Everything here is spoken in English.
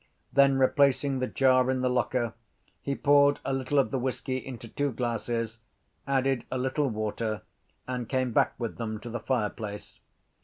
Then replacing the jar in the locker he poured a little of the whisky into two glasses, added a little water and came back with them to the fireplace.